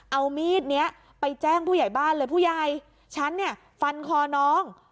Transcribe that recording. เอามีดนี้ไปแจ้งผู้ใหญ่บ้านเลยผู้ใหญ่ฉันเนี่ยฟันคอน้อง